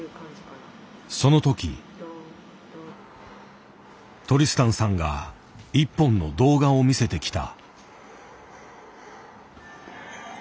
その時トリスタンさんが１本の動画を見せてきた。